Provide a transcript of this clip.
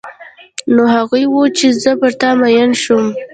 نو هغه و چې زه پر تا مینه هم شوم.